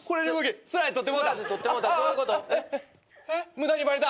無駄にバレた。